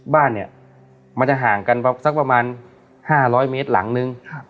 บ้านเนี้ยมันจะห่างกันประมาณห้าร้อยเมตรหลังหนึ่งครับ